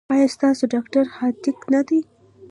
ایا ستاسو ډاکټر حاذق نه دی؟